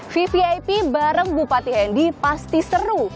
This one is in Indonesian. vvip bareng bupati hendy pasti seru